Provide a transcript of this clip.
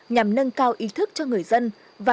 nhằm nâng cao ý thức cho người dân